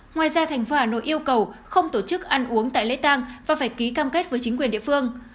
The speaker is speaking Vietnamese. ngoài ra thành phố hà nội yêu cầu không tổ chức ăn uống tại lễ tăng và phải ký cam kết với chính quyền địa phương